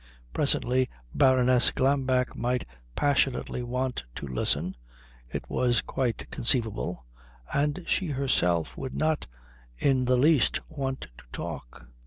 Presently Baroness Glambeck might passionately want to listen it was quite conceivable and she herself would not in the least want to talk.